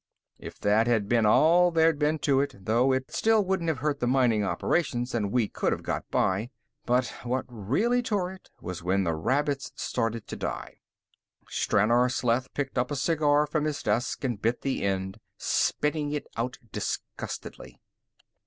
"If that had been all there'd been to it, though, it still wouldn't have hurt the mining operations, and we could have got by. But what really tore it was when the rabbits started to die." Stranor Sleth picked up a cigar from his desk and bit the end, spitting it out disgustedly.